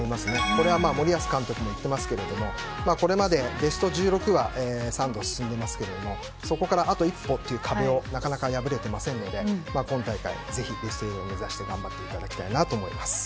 これは森保監督もいっていますけどこれまでベスト１６には３度進んでいますがそこからあと一歩という壁をなかなか破れていませんので今大会、ぜひベスト８を目指して頑張っていただきたいです。